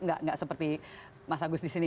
nggak seperti mas agus di sini